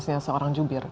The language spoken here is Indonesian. sebagai seorang jubir